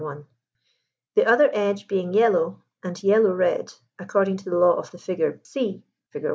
1), the other edge being yellow, and yellow red, according to the law of the figure C (fig.